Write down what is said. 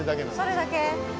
それだけ。